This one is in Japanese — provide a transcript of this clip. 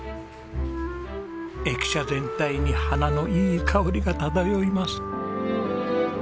駅舎全体に花のいい香りが漂います。